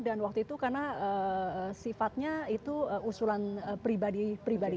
dan waktu itu karena sifatnya itu usulan pribadi pribadi